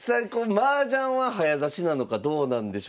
マージャンは早指しなのかどうなんでしょうね。